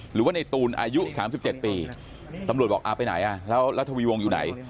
หรือว่าในตูนอายุ๓๗ปีตำรวจบอกอ่าไปไหนอ่ะแล้วรัฐวีวงอยู่ไหน